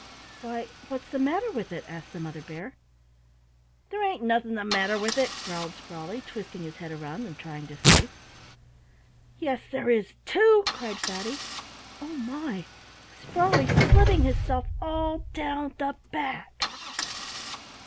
"Why, what's the matter with it?" asked the Mother Bear. "There ain't anything the matter with it," growled Sprawley, twisting his head round and trying to see. "Yes, there is too!" cried Fatty. "Oh my! Sprawley's splitting hisself all down the back."